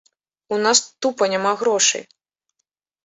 У нас тупа няма грошай.